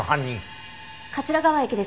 桂川駅です。